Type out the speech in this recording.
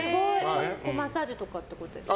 マッサージとかってことですか。